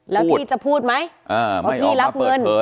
แล้วพี่จะพูดไหมเพราะพี่รับเงิน